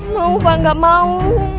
mau pak enggak mau